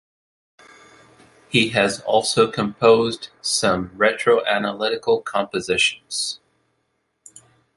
He has also composed some retroanalytical compositions.